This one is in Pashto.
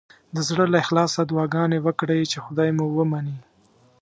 د زړه له اخلاصه دعاګانې وکړئ چې خدای مو ومني.